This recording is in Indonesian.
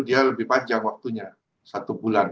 dia lebih panjang waktunya satu bulan